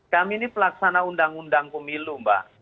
kami ini pelaksana undang undang pemilu mbak